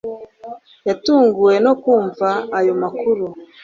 Yatunguwe no kumva ayo makuru